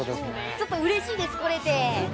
◆ちょっとうれしいです、来れて。